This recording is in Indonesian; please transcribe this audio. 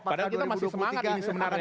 padahal kita masih semangat ini sebenarnya